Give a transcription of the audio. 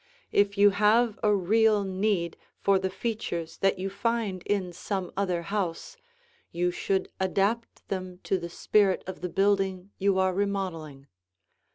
If you have a real need for the features that you find in some other house, you should adapt them to the spirit of the building you are remodeling.